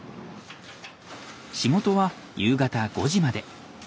仕事は夕方５時まで。